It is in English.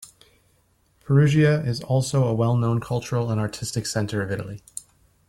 Perugia is also a well-known cultural and artistic centre of Italy.